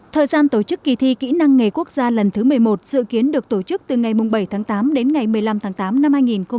thời gian tổ chức kỳ thi kỹ năng nghề quốc gia lần thứ một mươi một dự kiến được tổ chức từ ngày bảy tháng tám đến ngày một mươi năm tháng tám năm hai nghìn một mươi chín